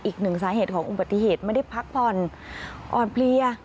อีกหนึ่งสาเหตุของอุบัติเหตุไม่ได้พักผ่อนอ่อนเพลีย